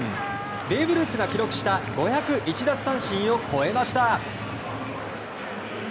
ベーブ・ルースが記録した５０１奪三振を超えました。